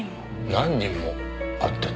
何人も会ってた